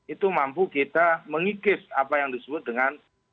itu mampu kita mengikis apa yang disebut dengan